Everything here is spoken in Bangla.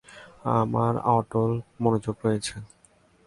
আমার অটল মনোযোগ রয়েছে।